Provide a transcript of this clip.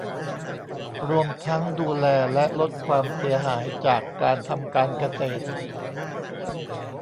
รวมทั้งดูแลและลดความเสียหายจากการทำการเกษตร